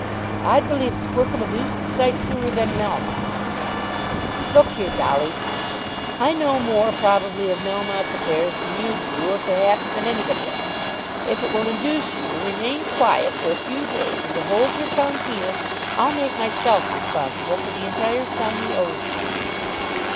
"I'd believe Squercum a deuced sight sooner than Melmotte." "Look here, Dolly. I know more probably of Melmotte's affairs than you do or perhaps than anybody else. If it will induce you to remain quiet for a few days and to hold your tongue here, I'll make myself responsible for the entire sum he owes you."